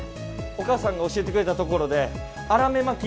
お母さんが教えてくれたところでアラメマキ。